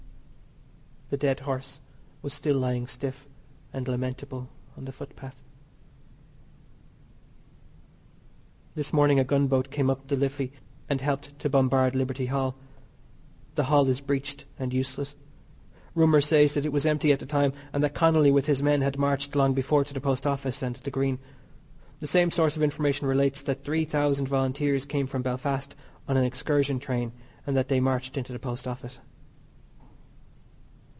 The dead horse was still lying stiff and lamentable on the footpath. This morning a gunboat came up the Liffey and helped to bombard Liberty Hall. The Hall is breeched and useless. Rumour says that it was empty at the time, and that Connolly with his men had marched long before to the Post Office and the Green. The same source of information relates that three thousand Volunteers came from Belfast on an excursion train and that they marched into the Post Office.